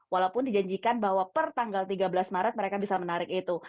walaupun dijanjikan bahwa per tanggal tiga belas maret mereka bisa menarik itu